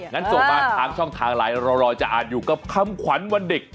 งั้นส่งมาทางช่องทางไลน์เรารอจะอ่านอยู่กับคำขวัญวันเด็ก